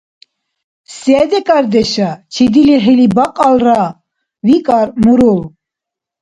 – Се декӀардеша чиди лихӀили бакьалра? – викӀар мурул.